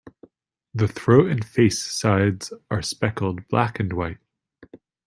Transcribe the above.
The throat and face sides are speckled black and white.